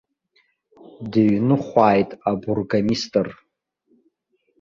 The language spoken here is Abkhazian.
Дыҩныхәааит абургомистр.